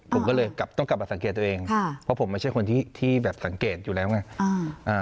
ผมก็เลยกลับต้องกลับมาสังเกตตัวเองค่ะเพราะผมไม่ใช่คนที่ที่แบบสังเกตอยู่แล้วไงอ่า